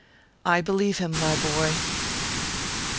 I believe him, my boy